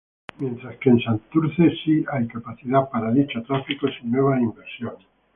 Mientras que en Santurce si hay capacidad para dicho tráfico sin nuevas inversiones.